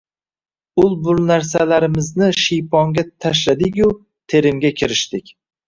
Ul-bul narsalarimizni shiyponga tashladigu terimga kirishdik.